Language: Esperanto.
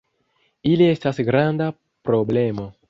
Ili estas granda problemo.